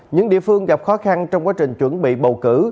những địa phương gặp khó khăn trong quá trình chuẩn bị bầu cử